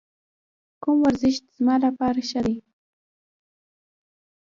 کوم ورزش زما لپاره ښه دی؟